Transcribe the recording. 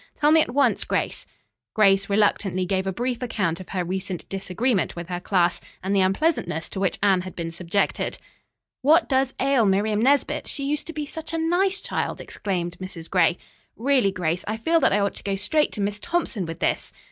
Tell me at once, Grace." Grace reluctantly gave a brief account of her recent disagreement with her class and the unpleasantness to which Anne had been subjected. "What does ail Miriam Nesbit? She used to be such a nice child!" exclaimed Mrs. Gray. "Really, Grace, I feel that I ought to go straight to Miss Thompson with this."